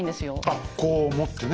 あっこう持ってね。